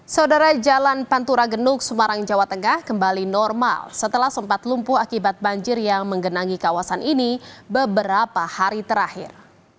saudara jalan pantura genuk semarang jawa tengah kembali normal setelah sempat lumpuh akibat banjir yang menggenangi kawasan ini beberapa hari terakhir